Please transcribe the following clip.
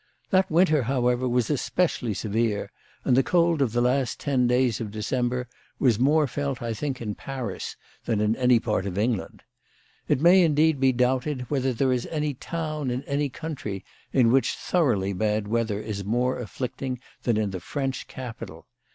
That winter, however, was especially severe, and the cold of the last ten days of December was more felt, I think, in Paris than in any part of England. It may, indeed, be doubted whether there is any town in any country in which thoroughly bad weather is more afflicting than in the French capital.